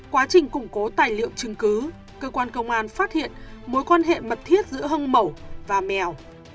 quá trình củng cố tài liệu chứng cứ cơ quan công an phát hiện mối quan hệ mật thiết giữa hồng mẩu và mèo